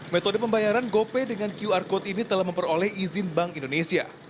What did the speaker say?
metode pembayaran gopay dengan qr code ini telah memperoleh izin bank indonesia